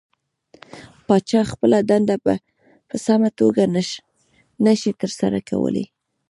پاچا خپله دنده په سمه توګه نشي ترسره کولى .